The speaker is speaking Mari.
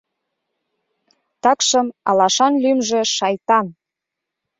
Такшым алашан лӱмжӧ Шайтан.